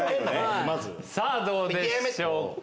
さぁどうでしょうか？